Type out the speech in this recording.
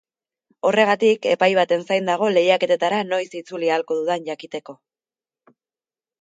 Horregatik, epai baten zain dago lehiaketetara noiz itzuli ahalko dudan jakiteko.